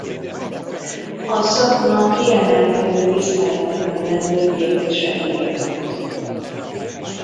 A szakma kiemelkedő tiszteletnek örvendő képviselője volt.